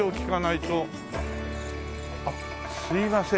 あっすいません。